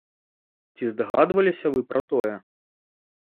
Ці здагадваліся вы пра тое?